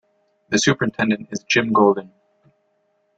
The Superintendent is Jim Golden.